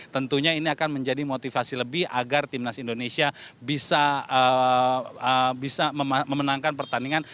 tentunya ini akan menjadi motivasi lebih agar timnas indonesia bisa memenangkan pertandingan